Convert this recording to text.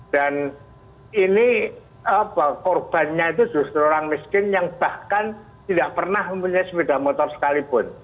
dan ini korbannya itu justru orang miskin yang bahkan tidak pernah memiliki sepeda motor sekalipun